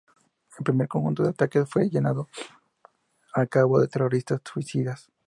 El primer conjunto de ataques fue llevado a cabo por terroristas suicidas.